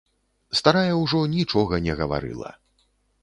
Старая ўжо нічога не гаварыла.